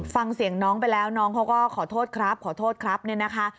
ฟังเสียงน้องไปแล้วน้องเขาก็ขอโทษครับขอโทษครับเนี่ยนะคะ